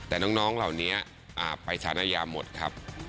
แต่น้องเหล่านี้ไปสารอาญาหมดครับ